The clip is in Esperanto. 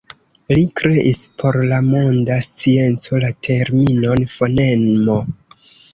Li kreis por la monda scienco la terminon fonemo.